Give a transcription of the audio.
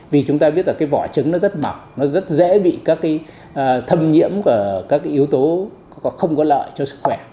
vì chúng ta biết là cái vỏ trứng nó rất mỏng nó rất dễ bị các cái thâm nhiễm các cái yếu tố không có lợi cho sức khỏe